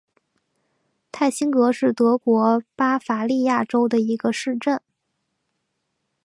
泰辛格是德国巴伐利亚州的一个市镇。